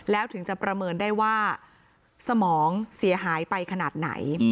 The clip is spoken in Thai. แล้วถึงจะประเมินได้ว่าสมองเสียหายไปขนาดไหน